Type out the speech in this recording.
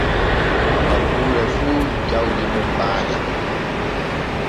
Nokkuure fu jawdi mum ɓaayam.